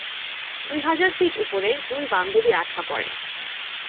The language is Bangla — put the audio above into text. দুই হাজার ফিট উপরে দুই বান্ধবী আটকা পড়ে।